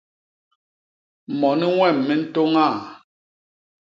Moni wem mi ntôña e?